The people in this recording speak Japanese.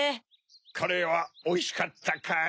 カレーはおいしかったかい？